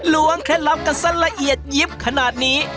รวงแค่กันเป็นละเอียดยิบขนาดนี้